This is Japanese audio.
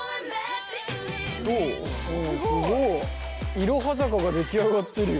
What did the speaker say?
いろは坂が出来上がってるよ。